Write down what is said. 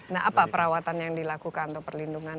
nah apa perawatan yang dilakukan atau perlindungan